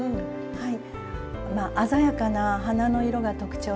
はい！